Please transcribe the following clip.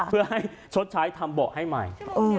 เพื่อให้ชดใช้ทำเบาะให้ใหม่